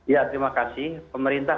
ya terima kasih pemerintah